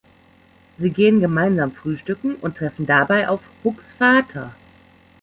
Sie gehen gemeinsam frühstücken und treffen dabei auf Hucks Vater.